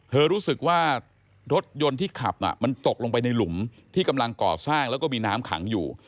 รู้สึกว่ารถยนต์ที่ขับมันตกลงไปในหลุมที่กำลังก่อสร้างแล้วก็มีน้ำขังอยู่